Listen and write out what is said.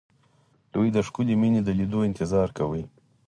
دوی د ښکلې مينې د ليدو انتظار کاوه